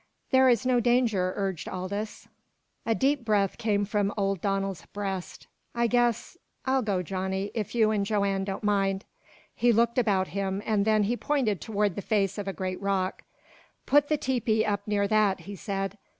"There is no danger," urged Aldous. A deep breath came from old Donald's breast. "I guess I'll go, Johnny, if you an' Joanne don't mind." He looked about him, and then he pointed toward the face of a great rock. "Put the tepee up near that," he said.